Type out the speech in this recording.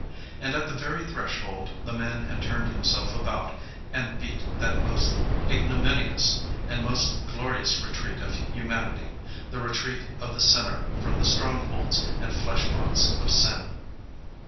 And at the very threshold the man had turned himself about and beat that most ignominious and most glorious retreat of human ity, the retreat of the sinner frcm the strongholds and fleshpots of sin.